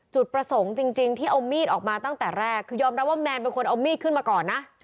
จุดประสงค์จริงที่เอามีดออกมาตั้งแต่แรกคือยอมรับว่าแมนเป็นคนเอามีดขึ้นมาก่อนนะ